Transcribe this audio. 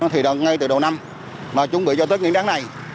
thì ngay từ đầu năm mà chuẩn bị cho tết nguyên đáng này